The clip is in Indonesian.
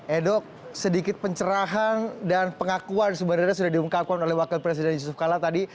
edok sedikit pencerahan dan pengakuan sebenarnya sudah diungkapkan oleh wakil presiden yusuf kala tadi